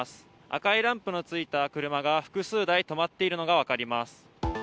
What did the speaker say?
赤いランプのついた車が複数台止まっているのが分かります。